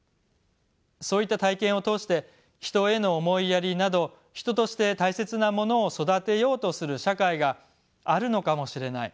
そういった体験を通して人への思いやりなど人として大切なものを育てようとする社会があるのかもしれない。